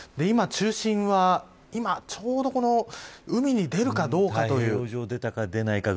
今、中心はちょうど海に出るかどうかという。